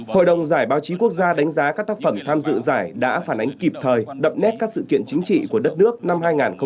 hội đồng giải báo chí quốc gia đánh giá các tác phẩm tham dự giải đã phản ánh kịp thời đậm nét các sự kiện chính trị của đất nước năm hai nghìn một mươi chín